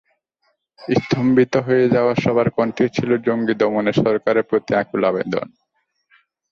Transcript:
স্তম্ভিত হয়ে যাওয়া সবার কণ্ঠেই ছিল জঙ্গি দমনে সরকারের প্রতি আকুল আবেদন।